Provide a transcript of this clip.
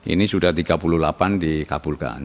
ini sudah tiga puluh delapan dikabulkan